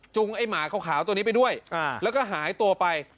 ไอ้หมาขาวตัวนี้ไปด้วยแล้วก็หายตัวไป